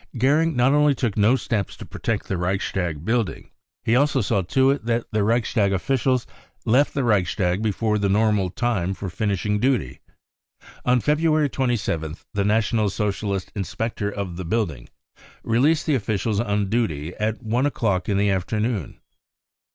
Goering not only took no steps to protect the Reichstag building ; he also saw to it that the Reichstag officials left the Reichstag before the normal time for finishing duty. On February 27th the National Socialist inspector of the building released the officials on duty at one o'clock in the afternoon.